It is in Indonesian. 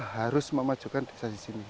harus memajukan desa di sini